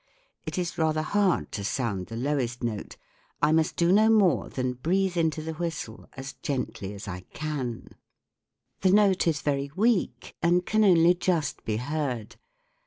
It is rather hard to sound the lowest note ; I must do SOUND IN MUSIC 61 no more than breathe into the whistle as gently as I can. The note is very weak and can only just be heard.